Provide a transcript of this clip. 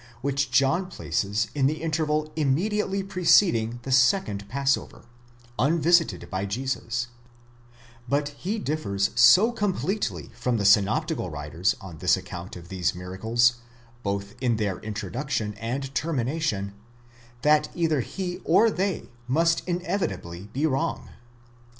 which John places in the interval imme diately preceding the second passover, unvisited by Jesus; but he differs so completely from the synoptical writers in his account of these miracles, both in their introduction and termination, that either he or they must inevitably be wrong.